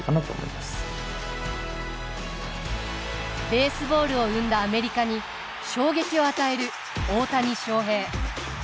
ベースボールを生んだアメリカに衝撃を与える大谷翔平。